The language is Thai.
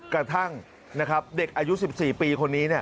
กระทั่งนะครับเด็กอายุ๑๔ปีคนนี้